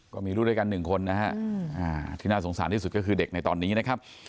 ก็มีลูกด้วยกันหนึ่งคนนะฮะที่น่าสงสารที่สุดก็คือเด็กในตอนนี้นะครับ